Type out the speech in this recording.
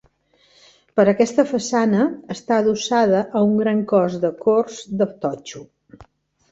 Per aquesta façana està adossada a un gran cos de corts de totxo.